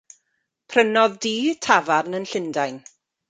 Prynodd dŷ tafarn yn Llundain.